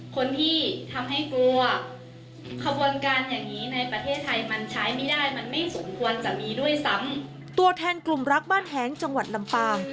ก็แทนกลุ่มรักบ้านแหงจังหวัดลำปาง